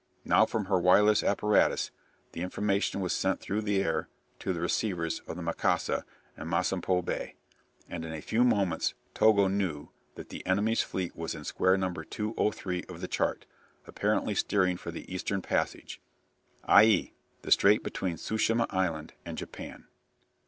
Now from her wireless apparatus the information was sent through the air to the receivers of the "Mikasa" in Masampho Bay, and in a few minutes Togo knew that "the enemy's fleet was in square No. 203 of the chart, apparently steering for the eastern passage," i.e. the strait between Tsu shima Island and Japan.